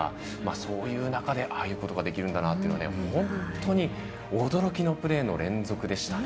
そういう中でああいうことができるんだなと本当に驚きのプレーの連続でしたね。